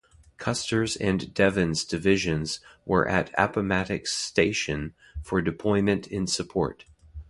Custer's and Devin's divisions were at Appomattox Station for deployment in support.